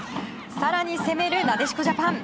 更に攻めるなでしこジャパン。